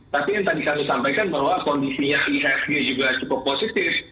tapi yang tadi kami sampaikan bahwa kondisinya ihsg juga cukup positif